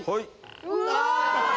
うわ！